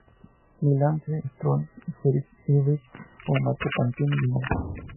Ni Lance Armstrong, Jan Ullrich o Marco Pantani vinieron.